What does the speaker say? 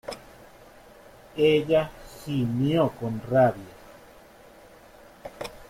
ella gimió con rabia: